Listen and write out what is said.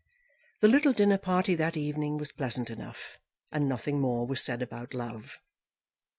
The little dinner party that evening was pleasant enough, and nothing more was said about love.